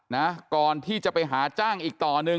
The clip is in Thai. นะก่อนที่จะไปหาจ้างอีกต่อหนึ่ง